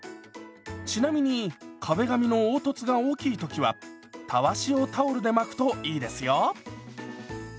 ちなみに壁紙の凹凸が大きい時はたわしをタオルで巻くといいですよ。